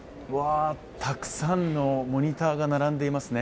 たくさんのモニターが並んでいますね。